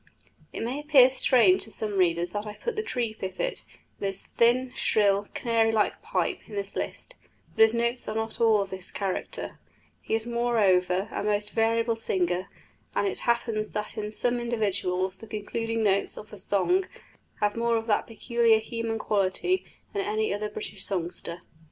It may appear strange to some readers that I put the tree pipit, with his thin, shrill, canary like pipe, in this list; but his notes are not all of this character; he is moreover a most variable singer; and it happens that in some individuals the concluding notes of the song have more of that peculiar human quality than any other British songster.